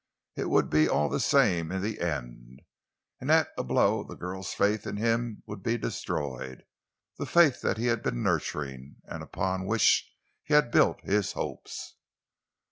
It would be all the same in the end. And at a blow the girl's faith in him would be destroyed—the faith that he had been nurturing, and upon which he had built his hopes.